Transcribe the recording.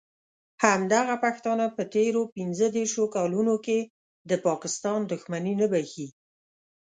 همدغه پښتانه په تېرو پینځه دیرشو کالونو کې د پاکستان دښمني نه بښي.